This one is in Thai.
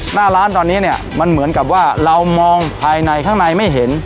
หน้าร้านตอนนี้เนี่ยมันเหมือนกับว่าเรามองภายในข้างในไม่เห็น